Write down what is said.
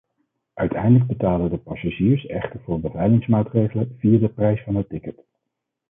Uiteindelijk betalen de passagiers echter voor beveiligingsmaatregelen, via de prijs van het ticket.